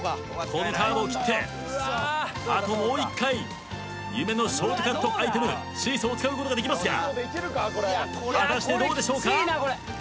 このカーブを切ってあともう１回夢のショートカットアイテムシーソーを使うことができますが果たしてどうでしょうか？